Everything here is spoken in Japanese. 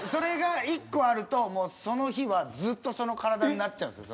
それが１個あるともうその日はずっとその体になっちゃうんですよ